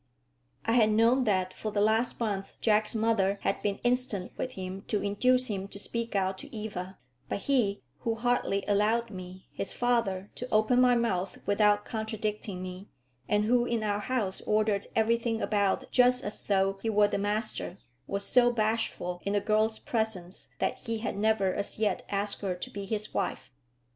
I had known that for the last month Jack's mother had been instant with him to induce him to speak out to Eva; but he, who hardly allowed me, his father, to open my mouth without contradicting me, and who in our house ordered everything about just as though he were the master, was so bashful in the girl's presence that he had never as yet asked her to be his wife.